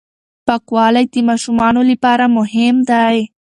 پاکوالی د ماشومانو لپاره مهم دی.